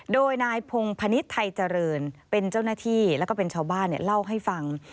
โดยนายพงพนิษฐ์ไทยเจริญเป็นเจ้าหน้าที่แล้วก็เป็นชาวบ้านเล่าให้ฟัง